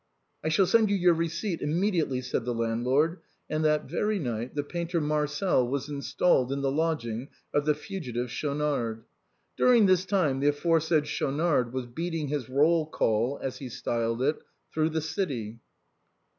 " I shall send you your receipt immediately," said the landlord; and that very night the painter Marcel was in stalled in the lodging of the fugitive Schaunard. During this time the aforesaid Schaunard was beating his roll call, as he styled it, through the city.